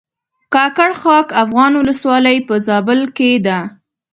کاکړ خاک افغان ولسوالۍ په زابل کښې ده